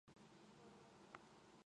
群馬県南牧村